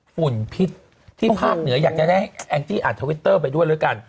ฝุ่นพิษที่ภาคเหนืออยากจะได้ให้แองจี้อ่านทวิตเตอร์ไปด้วยแล้วกัน